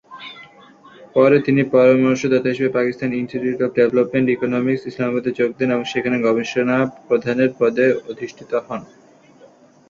পরে তিনি পরামর্শদাতা হিসাবে Pakistan Institute of Development Economics, ইসলামাবাদে যোগ দেন এবং সেখানে গবেষণা প্রধানের পদে অধিষ্ঠিত হন।